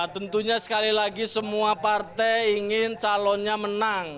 tentunya sekali lagi semua partai ingin calonnya menang